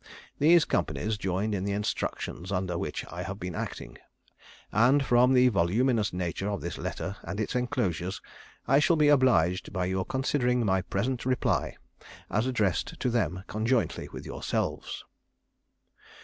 These companies joined in the instructions under which I have been acting; and, from the voluminous nature of this letter and its enclosures, I shall be obliged by your considering my present reply as addressed to them conjointly with yourselves.